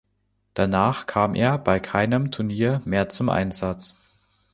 Danach kam er bei keinem Turnier mehr zum Einsatz.